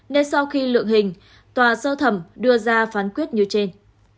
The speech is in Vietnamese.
ngay sau khi lượng hình tòa sơ thẩm đưa ra phán quyết như trên